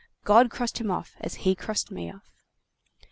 God crossed him off as he crossed me off.